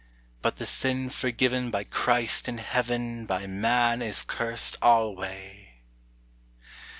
But the sin forgiven by Christ in heaven By man is cursed alway!